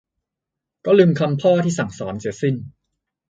ก็ลืมคำพ่อที่สั่งสอนเสียสิ้น